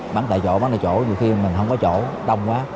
bán tại chỗ bán ở chỗ dù khi mình không có chỗ đông quá